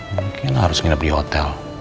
mungkin harus nginep di hotel